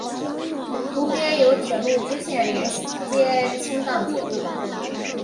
湖边有铁路支线连接青藏铁路。